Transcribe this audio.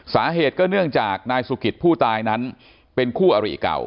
สาเหตุก็เนื่องจากนายสุกิตผู้ตายนั้นเป็นคู่อริเก่า